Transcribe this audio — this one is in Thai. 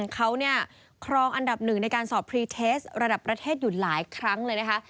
เขาเนี่ยครองอันดับหนึ่งในการสอบพรีเทสระดับประเทศอยู่หลายครั้งเลยนะคะ